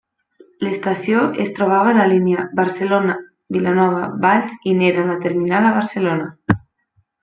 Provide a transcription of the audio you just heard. L'estació es trobava a la línia Barcelona-Vilanova-Valls i n'era la terminal a Barcelona.